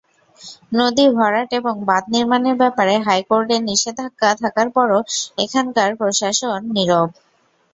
নদী ভরাট এবং বাঁধ নির্মাণের ব্যাপারে হাইকোর্টের নিষেধাজ্ঞা থাকার পরও এখানকার প্রশাসন নীরব।